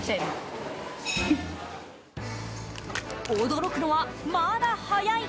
驚くのは、まだ早い。